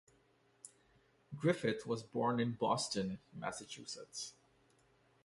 Griffith was born in Boston, Massachusetts.